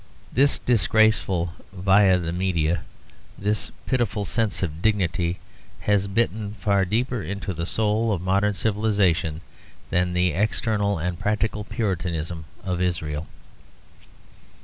This disgraceful via media, this pitiful sense of dignity, has bitten far deeper into the soul of modern civilization than the external and practical Puritanism of Israel.